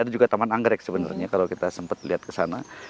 ada juga taman anggrek sebenarnya kalau kita sempat lihat ke sana